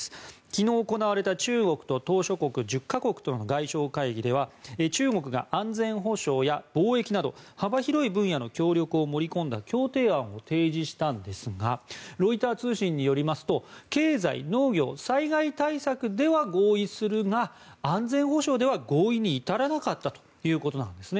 昨日、行われた中国と島しょ国１０か国との外相会議では中国が安全保障や貿易など幅広い分野の協力を盛り込んだ協定案を提示したんですがロイター通信によりますと経済、農業、災害対策では合意するが安全保障では合意に至らなかったということです。